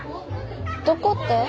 どこって？